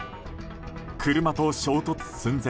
車と衝突寸前。